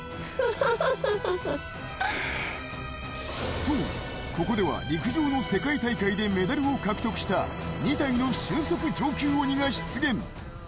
そう、ここでは陸上の世界大会でメダルを獲得した２体の俊足上級鬼が出現。